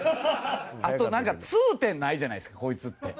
あと、痛点ないじゃないですかこいつって。